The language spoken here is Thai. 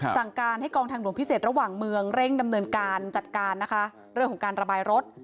สั่งการให้กองทางหลวงพิเศษระหว่างเมืองเร่งดำเนินการจัดการนะคะเรื่องของการระบายรถ